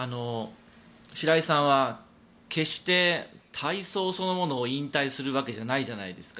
白井さんは決して、体操そのものを引退するわけじゃないじゃないですか。